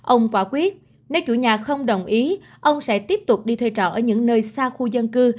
ông quả quyết nếu chủ nhà không đồng ý ông sẽ tiếp tục đi thuê trọ ở những nơi xa khu dân cư